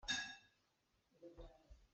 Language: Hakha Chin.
Sam mehnak ah samkamh a herh.